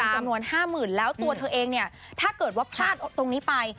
จำนวน๕๐๐๐แล้วตัวเธอเองเนี่ยถ้าเกิดว่าพลาดตรงนี้ไป